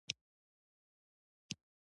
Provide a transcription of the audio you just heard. د ایران خودرو شرکت لوی دی.